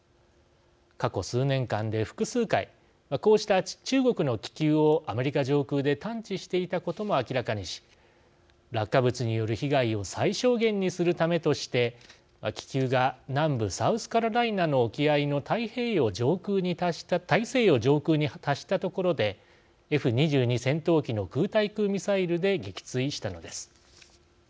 過去数年間で複数回、こうした中国の気球をアメリカ上空で探知していたことも明らかにし落下物による被害を最小限にするためとして気球が南部サウスカロライナの沖合の大西洋上空に達した所でＦ２２戦闘機の空対空ミサイルで撃墜したのです。